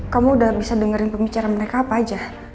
kamu udah bisa dengerin pembicaraan mereka apa aja